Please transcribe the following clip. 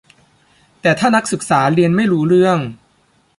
แต่ถ้านักศึกษาเรียนไม่รู้เรื่อง